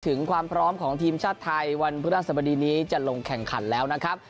ถึงความพร้อมของทีมชาติไทยวันพฤหัสบดีนี้จะลงแข่งขันแล้วนะครับ